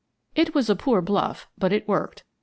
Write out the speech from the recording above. It was a poor bluff, but it worked.